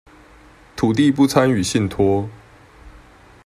土地不參與信託